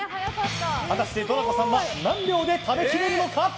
果たしてＤｒａｃｏさんは何秒で食べきれるのか？